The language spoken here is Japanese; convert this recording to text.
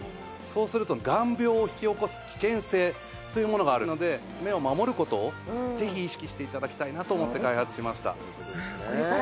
そうすると眼病を引き起こす危険性というものがあるので目を守る事をぜひ意識して頂きたいなと思って開発しました。